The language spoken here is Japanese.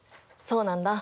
そうなんだ！